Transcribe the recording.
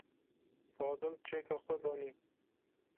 Fadil çeka xwe danî.